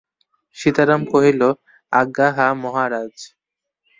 সীতারাম কহিল, আজ্ঞা হাঁ মহারাজ।